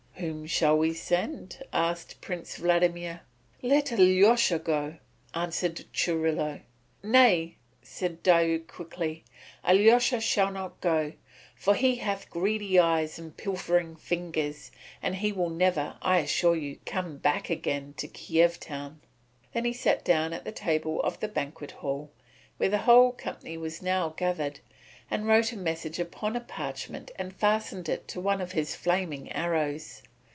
"Whom shall we send?" asked Prince Vladimir. "Let Alyosha go," answered Churilo. "Nay," said Diuk quickly, "Alyosha shall not go; for he hath greedy eyes and pilfering fingers, and he will never, I assure you, come back again to Kiev town." Then he sat down at the table of the banquet hall, where the whole company was now gathered, and wrote a message upon a parchment and fastened it to one of his flaming arrows.